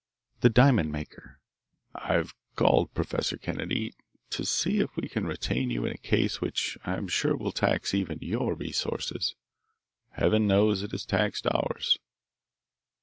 The Diamond Maker "I've called, Professor Kennedy, to see if we can retain you in a case which I am sure will tax even your resources. Heaven knows it has taxed ours."